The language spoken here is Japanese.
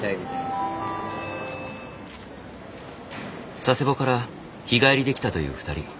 佐世保から日帰りで来たという２人。